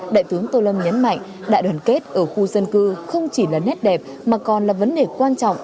đại tướng tô lâm nhấn mạnh đại đoàn kết ở khu dân cư không chỉ là nét đẹp mà còn là vấn đề quan trọng